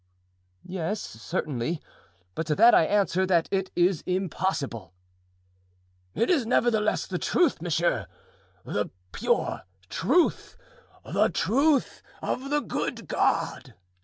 "Yes, certainly; but to that I answer that it is impossible." "It is, nevertheless, the truth, monsieur—the pure truth, the truth of the good God."